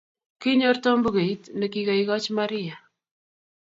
Kinyor Tom bukuit ne kikaikoch Maria